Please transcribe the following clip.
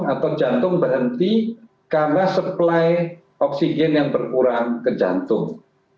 atau jantung berhenti karena supply oksigen yang berkurang ke jantung